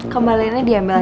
kembaliannya diambil aja